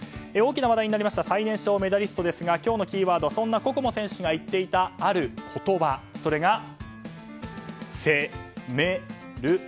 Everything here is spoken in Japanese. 大きな話題になりました最年少メダリストですが今日のキーワードはそんな心椛選手が言っていたある言葉、それがセメル。